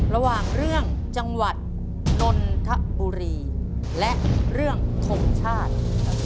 ระหว่างเรื่องจังหวัดนนทบุรีและเรื่องทงชาติ